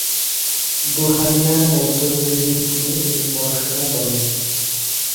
দুহালিয়ার মধ্য ইংরেজি স্কুলে তিনি পড়াশোনা করেন।